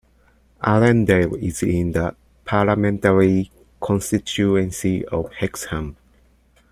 Allendale is in the parliamentary constituency of Hexham.